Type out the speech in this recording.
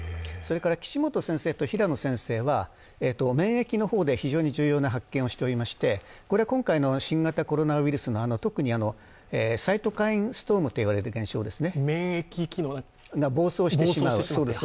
岸本先生と平野先生は免疫の方で非常に重要な発見をしておりましてこれは今回の新型コロナウイルスの特にサイトカインストームと言われる現象、免疫が暴走してしまうと。